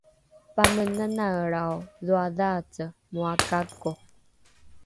pamenanaelrao dhoadhaace moa gako